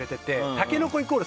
タケノコイコール